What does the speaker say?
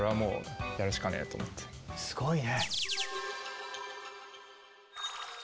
すごいね。